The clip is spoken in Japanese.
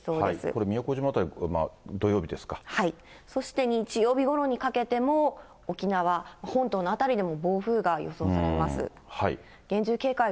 これ宮古島辺り、そして日曜日ごろにかけても、沖縄本島の辺りでも暴風が予想されます。